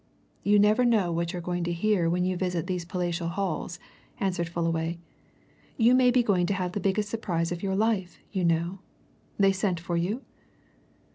"You never know what you're going to hear when you visit these palatial halls," answered Fullaway. "You may be going to have the biggest surprise of your life, you know. They sent for you?"